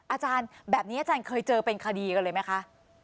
อาจารย์แบบนี้อาจารย์เคยเจอเป็นคดีกันเลยไหมคะ